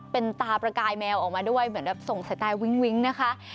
เป็นตาประกายแมวออกมาด้วยเหมือนแบบส่งสายตาวิ้งวิ้งนะคะ